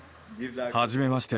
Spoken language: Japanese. はじめまして。